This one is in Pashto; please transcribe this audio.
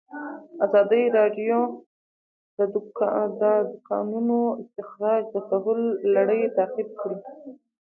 ازادي راډیو د د کانونو استخراج د تحول لړۍ تعقیب کړې.